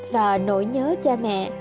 và nỗi nhớ cha mẹ